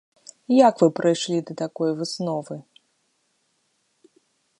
Як вы прыйшлі да такой высновы?